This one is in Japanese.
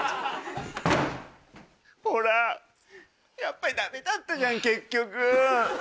ほらやっぱりダメだったじゃん結局。